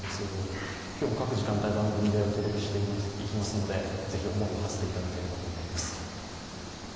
今日も各時間帯、番組でお届けしていきますのでぜひ、思いをはせていただければと思います。